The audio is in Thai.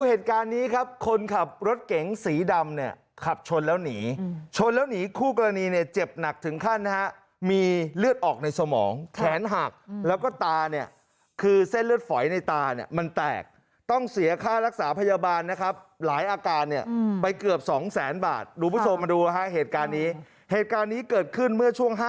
เหตุการณ์นี้ครับคนขับรถเก๋งสีดำเนี่ยขับชนแล้วหนีชนแล้วหนีคู่กรณีเนี่ยเจ็บหนักถึงขั้นนะฮะมีเลือดออกในสมองแขนหักแล้วก็ตาเนี่ยคือเส้นเลือดฝอยในตาเนี่ยมันแตกต้องเสียค่ารักษาพยาบาลนะครับหลายอาการเนี่ยไปเกือบสองแสนบาทคุณผู้ชมมาดูฮะเหตุการณ์นี้เหตุการณ์นี้เกิดขึ้นเมื่อช่วง๕